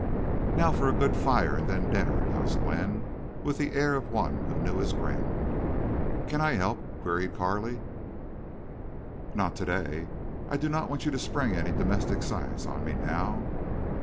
"Now for a good fire and then dinner," announced Glenn, with the air of one who knew his ground. "Can I help?" queried Carley. "Not today. I do not want you to spring any domestic science on me now."